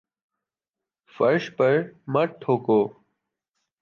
فرش پر مت تھوکو